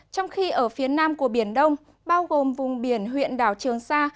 trong khi ở phía nam của biển đông bao gồm vùng biển huyện đảo trường sa